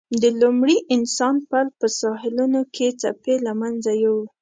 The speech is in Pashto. د لومړي انسان پل په ساحلونو کې څپې له منځه یووړ.